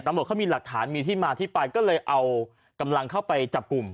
ตำรวจเขามีหลักฐานมีที่มาที่ไปก็เลยเอากำลังเข้าไปจับกลุ่ม